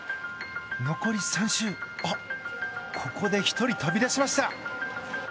残り３周あ、ここで１人飛び出しました！